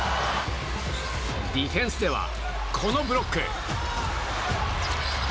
ディフェンスではこのブロック！